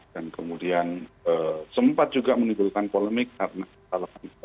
dan kemudian sempat juga menipu kami dengan penyampaknya yang diperlukan untuk mencari penyelamatan yang tersebut